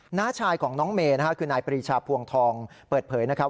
หน้าชายของน้องเมย์นะฮะคือนายปรีชาพวงทองเปิดเผยนะครับ